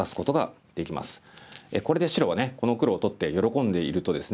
これで白はこの黒を取って喜んでいるとですね